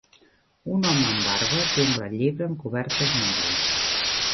Un home amb barba té un gran llibre amb cobertes negres